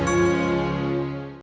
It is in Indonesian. saya juga minta